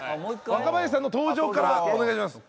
若林さんの登場からお願いします。